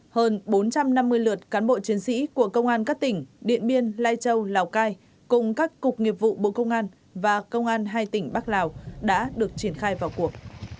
hơn bốn trăm năm mươi lượt cán bộ chiến sĩ của công an các tỉnh điện biên lai châu lào cai cùng các cục nghiệp vụ bộ công an và công an hai tỉnh bắc lào đã được triển khai vào cuộc